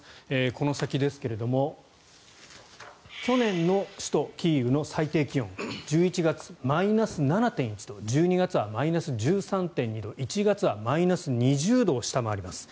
この先ですが去年の首都キーウの最低気温１１月、マイナス７．１度１２月、マイナス１３．２度１月はマイナス２０度を下回ります。